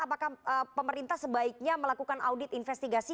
apakah pemerintah sebaiknya melakukan audit investigasi